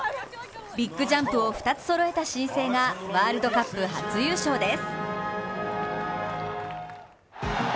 ビッグジャンプを２つそろえた新星がワールドカップ初優勝です。